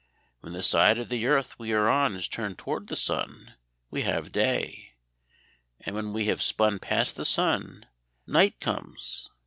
When the side of the earth we are on is turned toward the sun, we have day; and when we have spun past the sun, night comes.